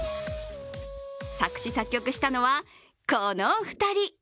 作詞作曲したのは、このお二人。